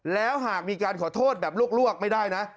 แล้วหากมีการขอโทษแบบลวกไม่ได้นะ